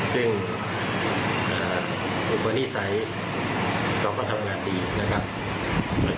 ซึ่งอุปนิสัยเราก็ทำงานดีนะครับ